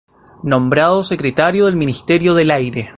Nombrado secretario del Ministerio del Aire.